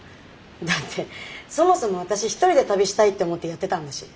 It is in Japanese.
だってそもそも私一人で旅したいって思ってやってたんだし。